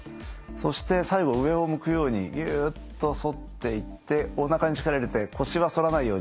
そして最後上を向くようにぎゅっと反っていっておなかに力入れて腰は反らないように。